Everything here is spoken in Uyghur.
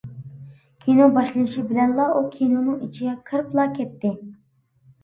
كىنو باشلىنىشى بىلەنلا ئۇ كىنونىڭ ئىچىگە كىرىپلا كەتتى.